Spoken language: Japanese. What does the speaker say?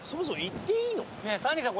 ねえサニーさん